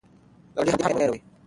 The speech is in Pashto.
د ګاونډي حق مه هېروئ.